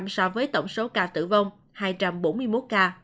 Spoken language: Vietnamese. so với tổng số ca tử vong hai trăm bốn mươi một ca